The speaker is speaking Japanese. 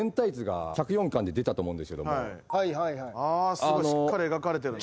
すごいしっかり描かれてるな。